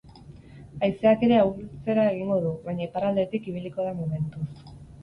Haizeak ere ahultzera egingo du, baina iparraldetik ibiliko da momentuz.